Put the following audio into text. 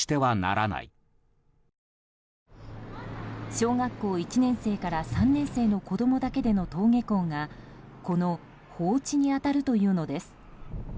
小学校１年生から３年生の子供だけでの登下校がこの放置に当たるというのです。